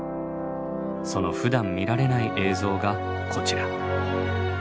そのふだん見られない映像がこちら。